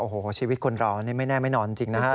โอ้โหชีวิตคนเรานี่ไม่แน่ไม่นอนจริงนะฮะ